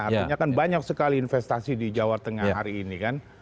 artinya kan banyak sekali investasi di jawa tengah hari ini kan